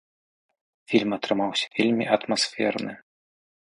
Фільм атрымаўся вельмі атмасферны.